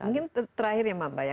mungkin terakhir ya mbak mbak ya